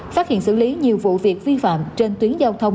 phát hiện xử lý nhiều vụ việc vi phạm trên tuyến giao thông